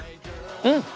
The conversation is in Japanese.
うん！